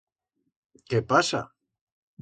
Qué pasa?